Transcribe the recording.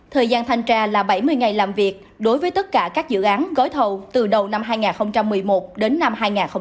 thời gian thanh tra là bảy mươi ngày làm việc đối với tất cả các dự án gói thầu từ đầu năm hai nghìn một mươi một đến năm hai nghìn hai mươi